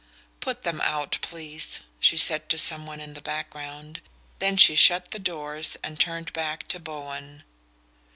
"Put them out, please," she said to some one in the background; then she shut the doors and turned back to Bowen.